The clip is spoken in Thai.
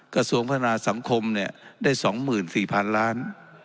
กระทรวงพัฒนาสังคมได้๒๔๐๐๐ล้าน